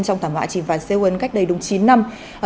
trong thảm họa trình phạt seoul cách đây đúng chín năm